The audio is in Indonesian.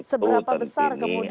seberapa besar kemudian itu